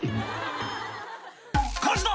「火事だ！